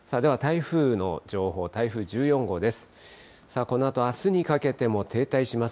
では台風の情報、台風１４号です。